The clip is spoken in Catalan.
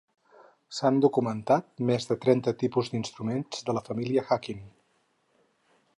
S'han documentat més de trenta tipus d'instruments de la família "huqin".